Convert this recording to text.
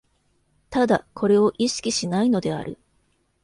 唯これを意識しないのである。